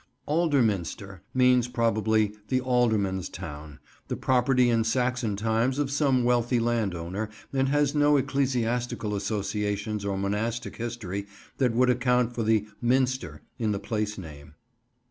"Alderminster" means probably "the alderman's town," the property in Saxon times of some wealthy landowner, and has no ecclesiastical associations or monastic history that would account for the "minster" in the place name.